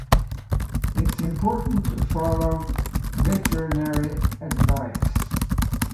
It is important to follow veterinary advice.